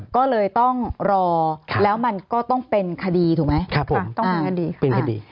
ก็เลยต้องรอแล้วมันก็ต้องเป็นคดีถูกไหมต้องเป็นคดีเป็นคดี